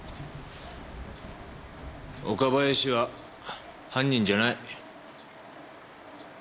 岡林は犯人じゃない。